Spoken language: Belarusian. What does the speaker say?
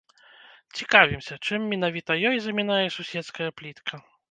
Цікавімся, чым менавіта ёй замінае суседская плітка.